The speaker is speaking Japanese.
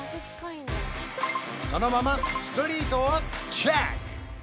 そのままストリートをチェック！